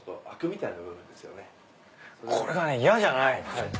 これがね嫌じゃない。